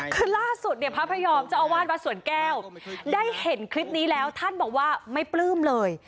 คือล่าสุดเนี่ยพระพยอมเจ้าอาวาสวัดสวนแก้วได้เห็นคลิปนี้แล้วท่านบอกว่าไม่ปลื้มเลย